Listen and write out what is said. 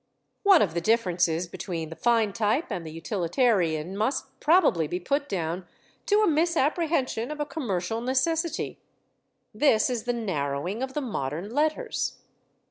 One of the differences between the fine type and the utilitarian must probably be put down to a misapprehension of a commercial necessity: this is the narrowing of the modern letters.